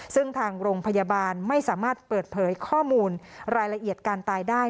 ซึ่งทางโรงพยาบาลไม่สามารถเปิดเผยข้อมูลรายละเอียดการตายได้